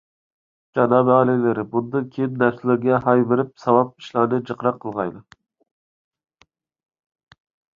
جانابىي ئالىيلىرى، بۇندىن كېيىن نەپسىلىرىگە ھاي بېرىپ ساۋاب ئىشلارنى جىقراق قىلغايلا.